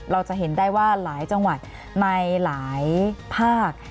เราจะเห็นได้ว่าหลายจังหวัดในหลายภาค